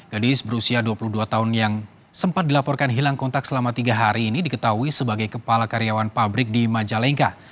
gadis berusia dua puluh dua tahun yang sempat dilaporkan hilang kontak selama tiga hari ini diketahui sebagai kepala karyawan pabrik di majalengka